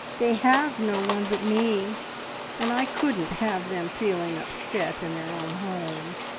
They have no one but me, and I couldn't have them feeling upset in their own home.